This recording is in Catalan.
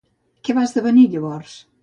Què va esdevenir llavors?